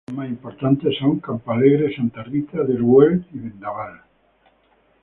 Sus distritos más importantes son: Campo Alegre, Santa Rita del Weil y Vendaval.